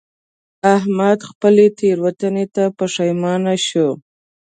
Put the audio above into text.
احمد خپلې تېروتنې ته پښېمانه شو.